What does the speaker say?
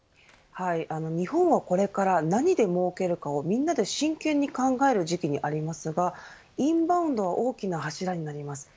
日本はこれから何で儲けるかをみんなで真剣に考える時期にありますがインバウンドは大きな柱になります。